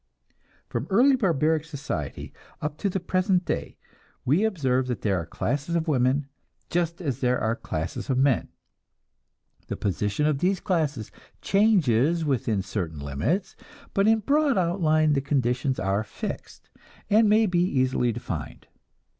From early barbaric society up to the present day, we observe that there are classes of women, just as there are classes of men. The position of these classes changes within certain limits, but in broad outline the conditions are fixed, and may be easily defined.